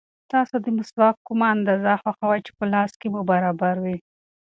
تاسو د مسواک کومه اندازه خوښوئ چې په لاس کې مو برابر وي؟